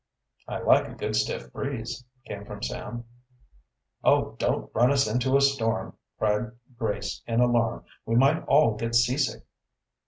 "I like a good, stiff breeze," came from Sam. "Oh, don't run us into a storm," cried Grace in alarm. "We might all get seasick."